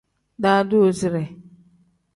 Daadoside.